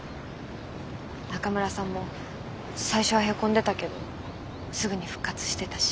中村さんも最初はへこんでたけどすぐに復活してたし。